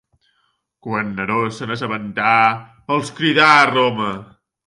Quan Neró se n'assabentà, els cridà a Roma.